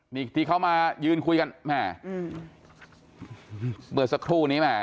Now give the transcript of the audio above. นี่ที่เขามายืนคุยกันแม่อืมเมื่อสักครู่นี้แม่